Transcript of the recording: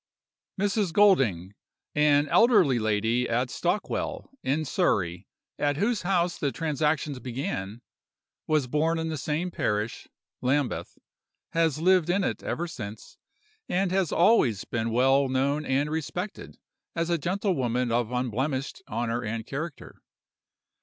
"Mrs. Golding, an elderly lady at Stockwell, in Surrey, at whose house the transactions began, was born in the same parish (Lambeth), has lived in it ever since, and has always been well known and respected as a gentlewoman of unblemished honor and character.